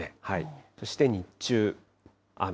そして日中、雨。